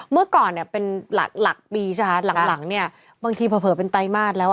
เมื่อก่อนเนี่ยเป็นหลักปีใช่ไหมคะหลังเนี่ยบางทีเผลอเป็นไตรมาสแล้ว